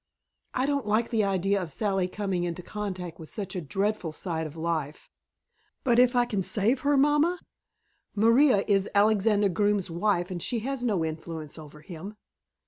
"I don't like the idea of Sally coming into contact with such a dreadful side of life " "But if I can save her, mamma?" "Maria is Alexander Groome's wife and she has no influence over him."